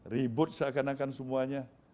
ribut seakan akan semuanya